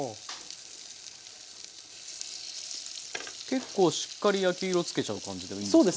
結構しっかり焼き色つけちゃう感じでいいんですか？